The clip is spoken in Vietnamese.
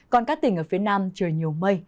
còn các tỉnh ở phía nam trời nhiều mây